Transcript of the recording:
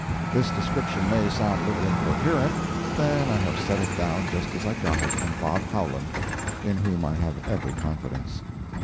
This description may sound a little incoherent, but then I have set it down just as I got it from Bob Howland, in whom I have every confidence.